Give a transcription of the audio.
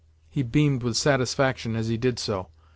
He beamed with satisfaction as he did so.